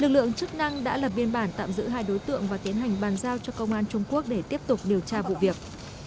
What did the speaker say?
lực lượng chức năng đã lập biên bản tạm giữ hai đối tượng và tiến hành bàn giao cho công an trung quốc để tiếp tục điều tra vụ việc